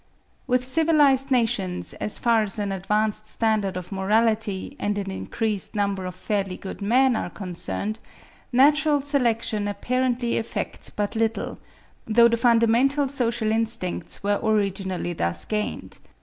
With civilised nations, as far as an advanced standard of morality, and an increased number of fairly good men are concerned, natural selection apparently effects but little; though the fundamental social instincts were originally thus gained.